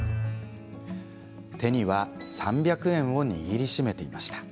手には３００円を握り締めていました。